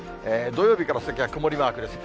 土曜日から先は曇りマークです。